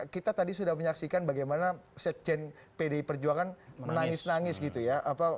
kita tadi sudah menyaksikan bagaimana sekjen pdi perjuangan menangis nangis gitu ya